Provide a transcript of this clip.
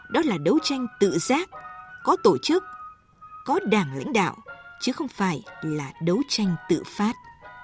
đó là đấu tranh tự giác có tổ chức có đảng lãnh đạo chứ không phải là đấu tranh tự phát